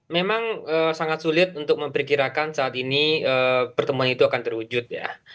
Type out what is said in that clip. memang sangat sulit untuk memperkirakan saat ini pertemuan itu akan terwujud ya